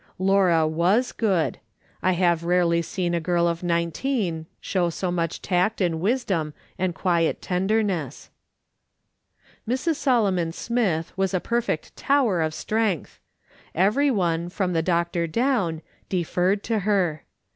Laura vm8 good. I have rarely seen a girl of nineteen show so much tact and wisdom and quiet tenderness. Mrs. Solomon Smith was a perfect tower of strength. Every one, from the doctor down, de ferred to her.